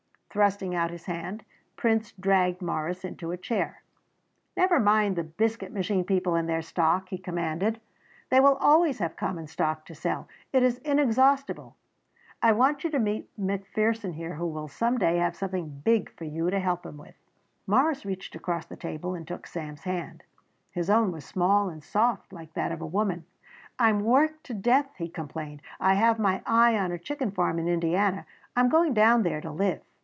Thrusting out his hand, Prince dragged Morris into a chair. "Never mind the Biscuit Machine people and their stock," he commanded; "they will always have common stock to sell. It is inexhaustible. I want you to meet McPherson here who will some day have something big for you to help him with." Morris reached across the table and took Sam's hand; his own was small and soft like that of a woman. "I am worked to death," he complained; "I have my eye on a chicken farm in Indiana. I am going down there to live."